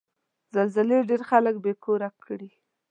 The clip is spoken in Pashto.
زلزلې ډېر خلک بې کوره کړي.